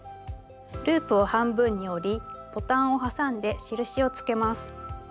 ループを半分に折りボタンを挟んで印をつけます。